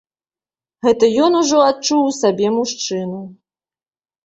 Гэта ён ужо адчуў у сабе мужчыну.